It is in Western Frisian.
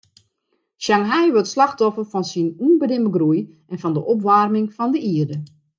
Shanghai wurdt slachtoffer fan syn ûnbedimme groei en fan de opwaarming fan de ierde.